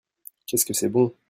Qu'est-ce que c'est bon !